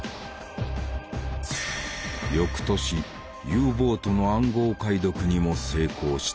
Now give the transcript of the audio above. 翌年Ｕボートの暗号解読にも成功した。